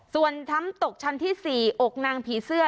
ส่วนน้ำตกชั้นที่๔อกนางผีเสื้อ